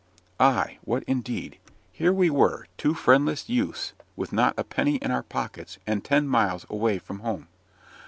Ay! what indeed! Here we were, two friendless youths, with not a penny in our pockets, and ten miles away from home.